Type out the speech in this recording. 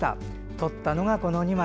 撮ったのがこの２枚。